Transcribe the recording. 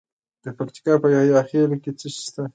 د پکتیکا په یحیی خیل کې څه شی شته؟